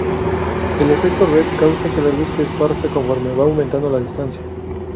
El efecto red causa que la luz se esparza conforme va aumentando la distancia.